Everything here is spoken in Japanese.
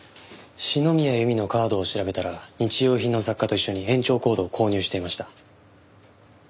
篠宮由美のカードを調べたら日用品の雑貨と一緒に延長コードを購入していました。